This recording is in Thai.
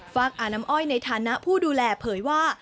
ฟากอานม่อยในฐานะผู้ดูแลเผยว่า